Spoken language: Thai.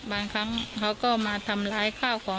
บางครั้งเขาก็มาทำร้ายข้าวของ